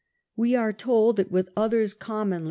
We are told that with others commonly, 14.